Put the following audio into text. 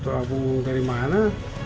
itu aku dari mana